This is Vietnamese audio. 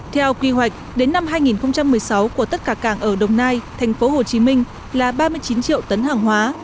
theo kỳ hoạch đến năm hai nghìn một mươi sáu của tất cả cảng ở đồng nai thành phố hồ chí minh là ba mươi chín triệu tấn hàng hóa